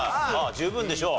十分でしょう。